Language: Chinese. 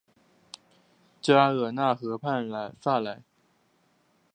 加罗讷河畔萨莱。